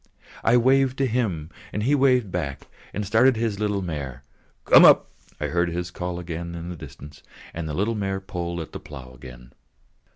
I waved to him; he waved back to me and started his little mare. "Come up!" I heard his call in the distance again, and the little mare pulled at the plough again.